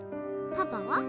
パパは？